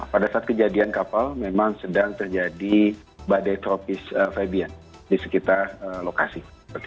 pada saat kejadian kapal memang sedang terjadi badai tropis febian di sekitar lokasi